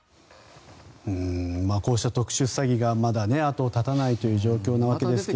こうした特殊詐欺がまだ後を絶たないという状況なわけですが。